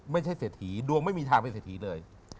ไม่ใช่เศรษฐีดวงไม่มีทางไม่เศรษฐีเลย